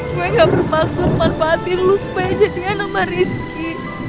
gue gak bermaksud manfaatin lu supaya jadi anak sama rizky